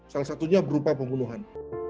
salah satunya berupa pembunuhan